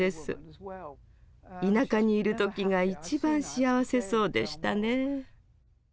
田舎にいる時が一番幸せそうでしたね。